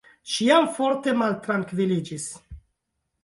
Ŝi jam forte maltrankviliĝis.